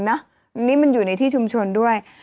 อันนี้มันอยู่ในที่ชุมชนด้วย